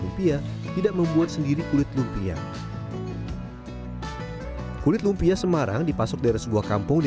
lumpia tidak membuat sendiri kulit lumpia kulit lumpia semarang dipasok dari sebuah kampung di